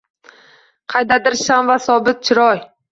Qaydadir sha’n va sobit chiroy?